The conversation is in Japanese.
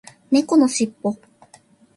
猫のしっぽ